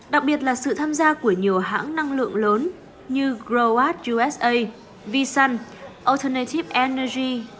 đặc biệt là sự tham gia của nhiều hãng năng lượng lớn như growart usa vsun alternative energy